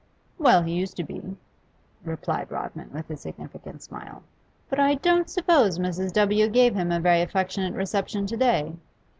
'Well, he used to be,' replied Rodman, with a significant smile. 'But I don't suppose Mrs. W. gave him a very affectionate reception to day.